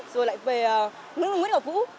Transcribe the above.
rồi lại về nguyễn thị định học vũ